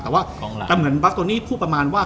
แต่ว่าบาสโตนี่พูดประมาณว่า